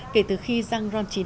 kể từ khi xăng ron chín mươi hai giảm